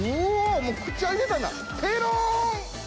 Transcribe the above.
もう口開いてたなペロン！